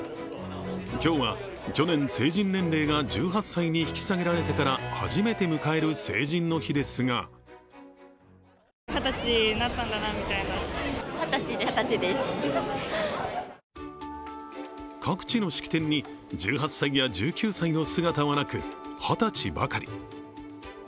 今日は、去年、成人年齢が１８歳に引き下げられてから初めて迎える成人の日ですが各地の式典に１８歳や１９歳の姿はなく、二十歳ばかり。